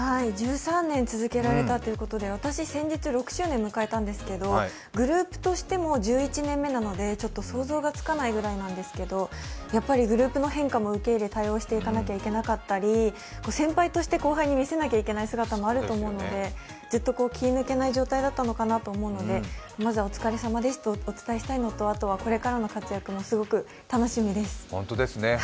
１３年続けられたということで、私先日６周年を迎えたんですけどグループとしても１１年目なので、想像がつかないぐらいなんですけどグループの変化も受け入れ対応していかないといけなかったり先輩として後輩に見せなきゃいけない姿もあると思うので、ずっと気を抜けない状態だったのかと思うのでまずはお疲れさまですとお伝えしたいのとあとはこれからの活躍もすごく楽しみです。